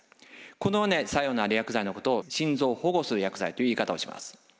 このような作用のある薬剤のことを心臓を保護する薬剤という言い方をします。